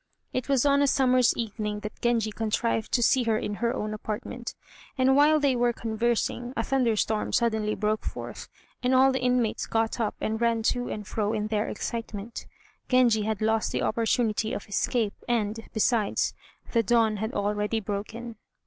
It was on a summer's evening that Genji contrived to see her in her own apartment, and while they were conversing, a thunderstorm suddenly broke forth, and all the inmates got up and ran to and fro in their excitement. Genji had lost the opportunity of escape, and, besides, the dawn had already broken.